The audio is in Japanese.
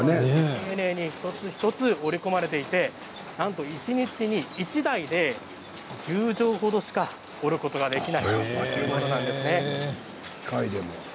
丁寧に一つ一つ織り込まれていて、一日に１台で１０畳ほどしか織ることができないということなんです。